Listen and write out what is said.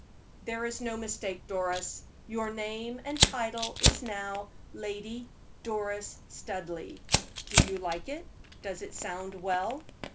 "There is no mistake, Doris; your name and title is now Lady Doris Studleigh. Do you like it? Does it sound well?"